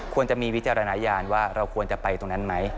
ควรจะมีวิจารณญาณว่าเราควรจะไปตรงนั้นไหม